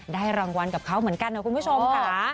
ได้รางวัลกับเขาเหมือนกันนะคุณผู้ชมค่ะ